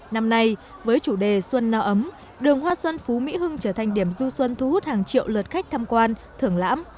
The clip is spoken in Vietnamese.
năm nay với chủ đề xuân no ấm đường hoa xuân phú mỹ hưng trở thành điểm du xuân thu hút hàng triệu lượt khách tham quan thưởng lãm